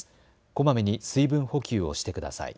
こまめに水分補給をしてください。